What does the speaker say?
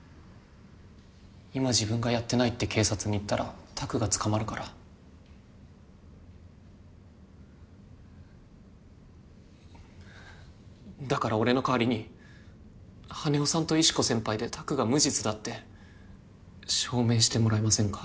今自分がやってないって警察に言ったら拓が捕まるからだから俺の代わりに羽男さんと石子先輩で拓が無実だって証明してもらえませんか？